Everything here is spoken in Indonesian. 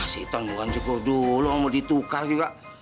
si iton bukan cukur dulu mau ditukar juga